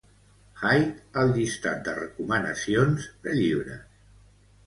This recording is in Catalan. Hyde al llistat de recomanacions de llibres.